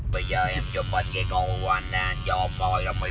bây giờ em chụp bên cái cổ của anh ra anh cho ông coi